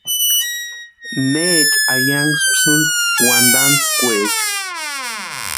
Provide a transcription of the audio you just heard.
Necha ayankpisïni wantantskwaecha.